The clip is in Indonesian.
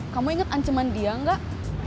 kamu inget ancaman dia nggak